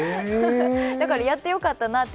だからやってよかったなって。